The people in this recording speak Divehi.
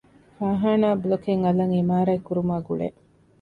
ފާޚާނާ ބްލޮކެއް އަލަށް އިމާރާތް ކުރުމާގުޅޭ